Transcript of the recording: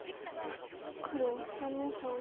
黒３の三。